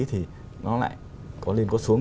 thì nó lại có lên có xuống